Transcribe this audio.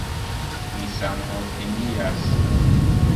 Mi samopinias.